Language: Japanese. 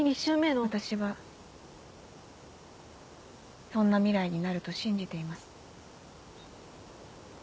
私はそんな未来になると信じています。